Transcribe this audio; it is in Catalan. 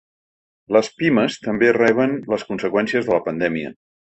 Les pimes també reben les conseqüències de la pandèmia.